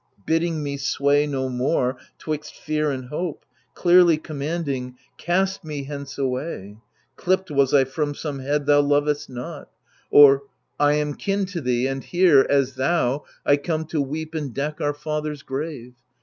Bidding me sway no more 'twixt fear and hope, Clearly commanding, Cast me hence away^ Clipped was I from some head thou lovest not; THE LIBATION BEARERS 9« Or, / am kin to thee^ and here^ as thoUy I come to weep and deck our father's grave.